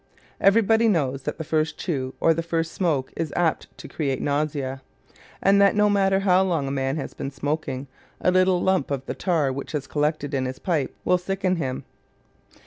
Everybody knows that the first chew or the first smoke is apt to create nausea; and that no matter how long a man has been smoking, a little lump of the tar which has collected in his pipe will sicken him.